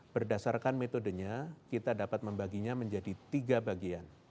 berdasarkan metodenya kita dapat membaginya menjadi tiga bagian